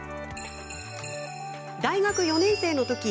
大学４年生のとき